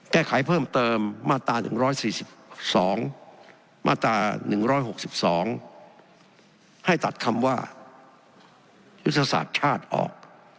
แก้ไขเพิ่มเติมมาตรา๑๔๒มาตรา๑๖๒ให้ตัดคำว่ายุทธศาสตร์ชาติออก